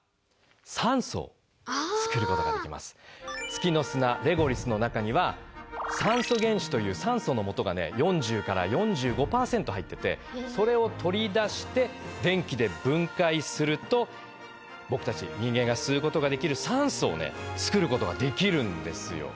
月の砂レゴリスの中には酸素原子という酸素のもとが４０から４５％入っててそれを取り出して電気で分解すると僕たち人間が吸うことができる酸素をつくることができるんですよ。